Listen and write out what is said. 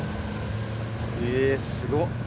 えすごっ。